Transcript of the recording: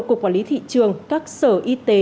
của quản lý thị trường các sở y tế